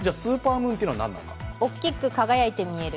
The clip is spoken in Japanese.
大きく輝いて見える。